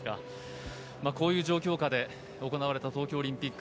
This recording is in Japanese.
こういう状況下で行われた東京オリンピック。